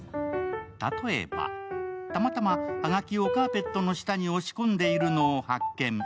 例えば、たまたまはがきをカーペットの下に押し込んでいるのを発見。